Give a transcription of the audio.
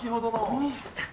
お兄さん。